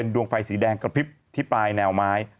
ดวงไฟสีแดงกระพริบที่ปลายแนวไม้